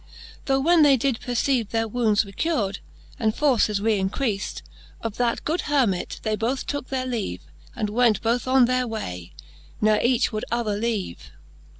Tho when they did perceave Their wounds recur'd, and forces reincreaft, Of that good Hermite both they tooke their leave, And went both on their way, ne ech would other leave : XVI.